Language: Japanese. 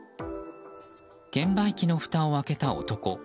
券売機のふたを開けた男。